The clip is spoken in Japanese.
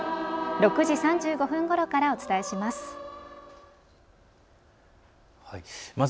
６時３５分ごろからお伝えします。